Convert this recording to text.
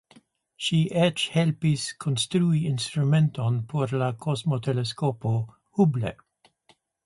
Ŝi eĉ helpis konstrui instrumenton por la Kosmoteleskopo Hubble.